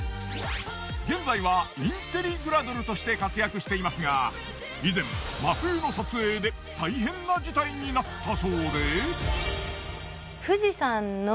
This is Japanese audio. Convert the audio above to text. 現在はインテリグラドルとして活躍していますが以前真冬の撮影で大変な事態になったそうで。